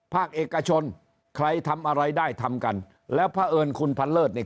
ภาคเอกชนใครทำอะไรได้ทำกันแล้วพระเอิญคุณพันเลิศเนี่ย